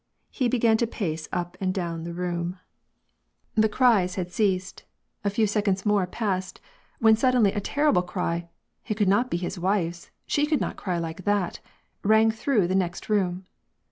He began to pace up and down the room. WAR AND PEACE. 41 The cries had ceased ; a few seconds more passed, when sud denly a terrible cry, — it could not be his wife's, slie could not ciy like that — rang through the next room.